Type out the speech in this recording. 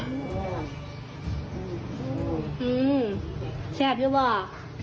อื้อแชบหรือเปล่า